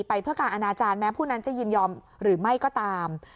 ไปเพื่อการอนาจารย์แม้ผู้นั้นจะยินยอมหรือไม่ก็ตาม